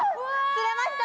釣れました。